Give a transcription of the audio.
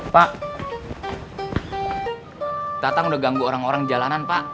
pak tatang udah ganggu orang orang jalanan pak